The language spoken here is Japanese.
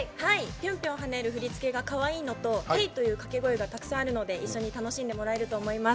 ぴょんぴょん跳ねる振り付けがかわいいのと「ヘイ！」というのがたくさんあるので一緒に楽しんでもらえると思います。